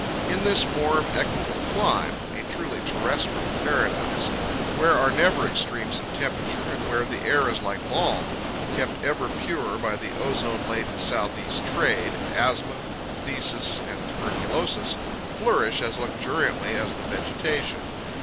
In this warm, equable clime—a truly terrestrial paradise—where are never extremes of temperature and where the air is like balm, kept ever pure by the ozone laden southeast trade, asthma, phthisis, and tuberculosis flourish as luxuriantly as the vegetation.